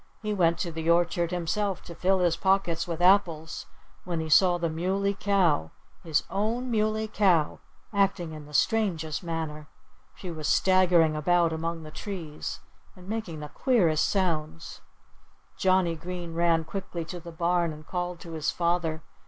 He went to the orchard himself to fill his pockets with apples, when he saw the Muley Cow his own Muley Cow acting in the strangest manner. She was staggering about among the trees and making the queerest sounds. Johnnie Green ran quickly to the barn and called to his father.